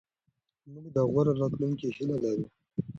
موږ د غوره راتلونکي هیله لرو.